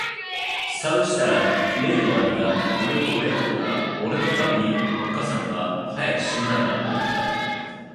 さうしたら例の兄がおれを親不孝だ、おれの為めに、おつかさんが早く死んだんだと云つた。